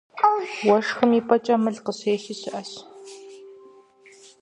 Уэшхым и пӀэкӀэ мыл къыщехи щыӀэщ.